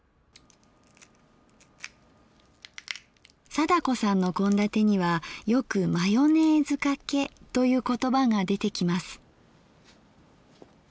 貞子さんの献立にはよく「マヨネーズかけ」という言葉が出てきます。